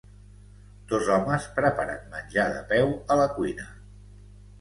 Dos homes preparen menjar de peu a la cuina.